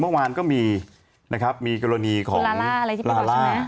เมื่อวานก็มีกรณีของลาล่า